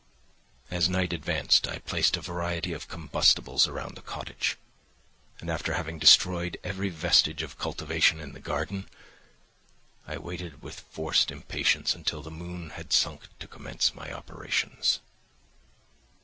As night advanced, I placed a variety of combustibles around the cottage, and after having destroyed every vestige of cultivation in the garden, I waited with forced impatience until the moon had sunk to commence my operations.